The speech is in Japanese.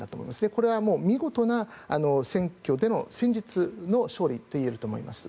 これは見事な選挙での戦術の勝利といえると思います。